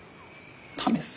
試す？